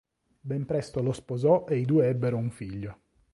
Ben presto lo sposò e i due ebbero un figlio.